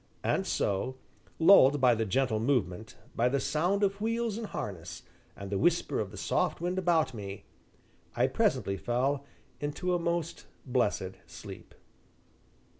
And so, lulled by the gentle movement, by the sound of wheels and harness, and the whisper of the soft wind about me, I presently fell into a most blessed sleep.